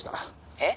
「えっ？」